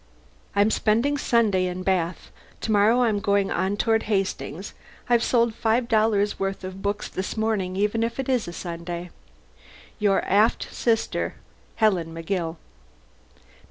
I'm spending Sunday in Bath: to morrow I'm going on toward Hastings. I've sold five dollars' worth of books this morning even if it is Sunday. Your affte sister HELEN McGiLL.